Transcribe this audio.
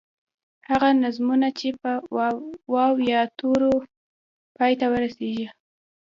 هغه نظمونه چې په واو، یا تورو پای ته رسیږي.